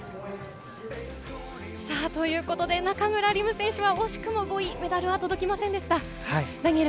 中村輪夢選手は惜しくも５位、メダルには届きませんでした。